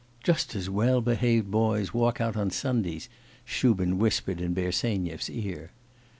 'Just as well behaved boys walk out on Sundays,' Shubin whispered in Bersenyev's ear.